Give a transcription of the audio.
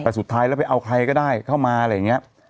แต่สุดท้ายแล้วไปเอาใครก็ได้เข้ามาอะไรอย่างนี้